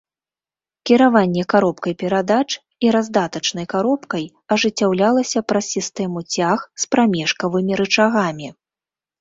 Кіраванне каробкай перадач і раздатачнай каробкай ажыццяўлялася праз сістэму цяг з прамежкавымі рычагамі.